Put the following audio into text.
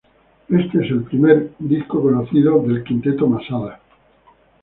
Este es el primer disco conocido por el Quinteto Masada.